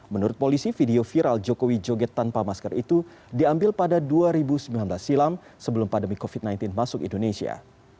menurut polisi video viral jokowi joget tanpa masker itu diambil pada dua ribu sembilan belas silam sebelum pandemi covid sembilan belas masuk indonesia